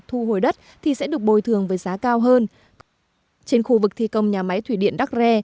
thu hồi đất thì sẽ được bồi thường với giá cao hơn trên khu vực thi công nhà máy thủy điện đắc rè